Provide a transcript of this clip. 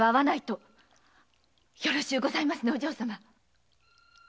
よろしゅうございますねお嬢様！